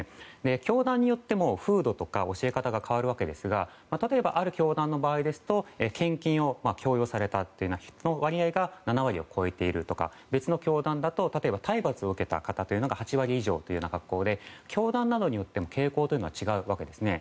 教団によっても風土や教え方が変わりますが例えばある教団だと献金を強要された割合が７割を超えているとか別の教団だと、例えば体罰を受けた方が８割以上という格好で教団によっても傾向が違うわけですね。